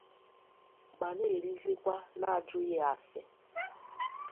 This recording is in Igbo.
ma na-erizịkwa na-ajụghị ase